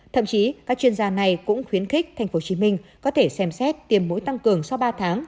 thậm chí các chuyên gia này cũng khuyến khích tp hcm có thể xem xét tiềm mũi tăng cường sau ba tháng